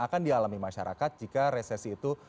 akan dialami masyarakat jika resesi itu